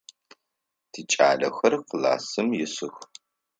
Тикӏалэхэр классым исых.